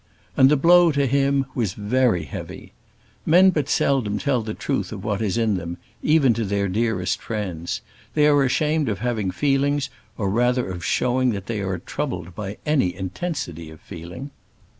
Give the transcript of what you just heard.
And the blow to him was very heavy. Men but seldom tell the truth of what is in them, even to their dearest friends; they are ashamed of having feelings, or rather of showing that they are troubled by any intensity of feeling.